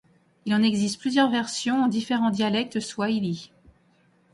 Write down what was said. Il en existe plusieurs versions en différents dialectes swahilis.